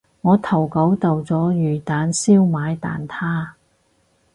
我投稿投咗魚蛋燒賣蛋撻